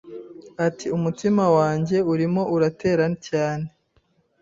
ati Umutima wanjye urimo uratera cyane.